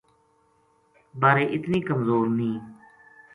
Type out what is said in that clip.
بارے اتنی کمزور نیہہ